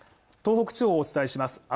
東北地方をお伝えします。